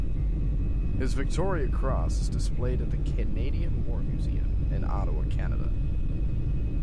His Victoria Cross is displayed at the Canadian War Museum in Ottawa, Canada.